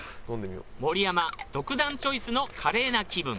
盛山独断チョイスのカレーな気分